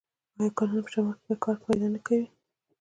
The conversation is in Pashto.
آیا کانونه په شمال کې کار نه پیدا کوي؟